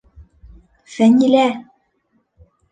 Фәнилә!